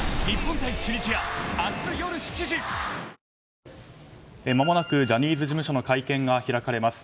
「ビオレ」まもなくジャニーズ事務所の会見が開かれます。